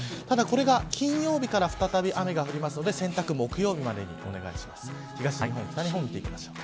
ただ、これが金曜日から再び雨が降るので洗濯は木曜日までにお願いします。